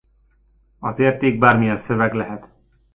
Az érték bármilyen szöveg lehet.